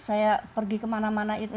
saya pergi kemana mana itu